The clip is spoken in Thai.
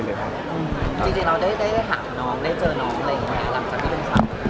จริงเราได้ถามน้องได้เจอน้องอะไรหรือหลังจากที่เริ่มสร้าง